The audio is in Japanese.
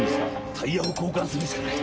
タイヤを交換するしかない。